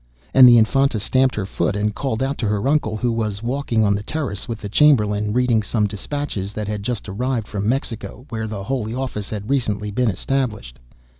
And the Infanta stamped her foot, and called out to her uncle, who was walking on the terrace with the Chamberlain, reading some despatches that had just arrived from Mexico, where the Holy Office had recently been established.